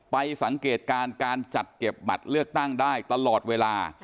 สังเกตการณ์การจัดเก็บบัตรเลือกตั้งได้ตลอดเวลา